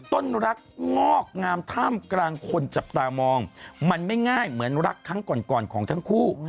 ต้นรักงอกงามท่ามกลางคนจับตามองมันไม่ง่ายเหมือนรักครั้งก่อนก่อนของทั้งคู่